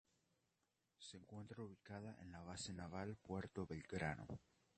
Se encuentra ubicada en la Base Naval Puerto Belgrano.